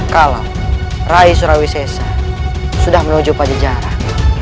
kalau rai surawisesa sudah menuju pada jarak